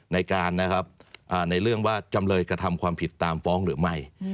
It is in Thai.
ในเรื่องว่าจำเลยกระทำความผิดตามฟ้องหรือไม่